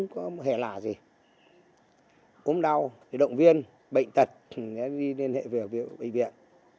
cũng đau động viên bệnh tật đi liên hệ về bệnh viện